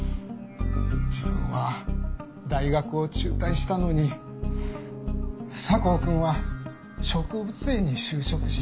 自分は大学を中退したのに佐向くんは植物園に就職して。